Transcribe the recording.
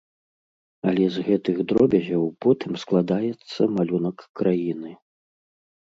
Але з гэтых дробязяў потым складаецца малюнак краіны.